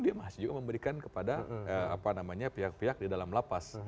dia masih juga memberikan kepada pihak pihak di dalam lapas